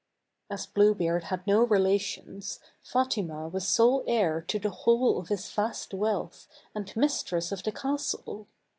As Blue Beard had no relations, Fatima was sole heir to the whole of his vast wealth, and mistress of the castle.